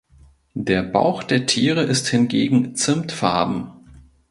Der Bauch der Tiere ist hingegen Zimtfarben.